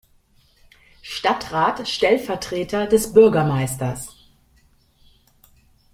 Stadtrat Stellvertreter des Bürgermeisters.